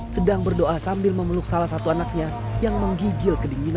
sedang berdoa sambil memeluk salah satu anaknya yang menggigil kedinginan